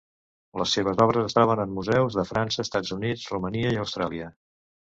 Les seves obres es troben en museus de França, Estats Units, Romania i Austràlia.